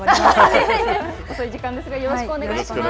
遅い時間ですがよろしくお願いします。